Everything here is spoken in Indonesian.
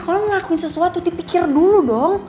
kalau ngelakuin sesuatu dipikir dulu dong